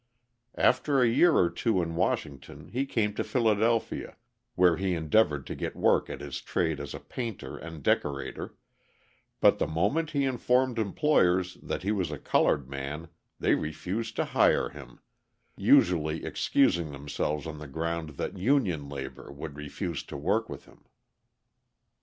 After a year or two in Washington he came to Philadelphia, where he endeavoured to get work at his trade as a painter and decorator, but the moment he informed employers that he was a coloured man they refused to hire him usually excusing themselves on the ground that union labour would refuse to work with him.